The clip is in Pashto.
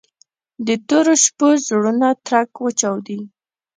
د تورو شپو زړونه ترک وچاودي